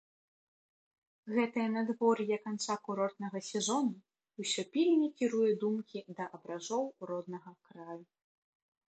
Гэтае надвор'е канца курортнага сезону ўсё пільней кіруе думкі да абразоў роднага краю.